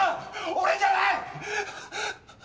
俺じゃない！